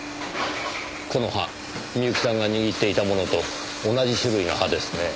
この葉美由紀さんが握っていたものと同じ種類の葉ですね。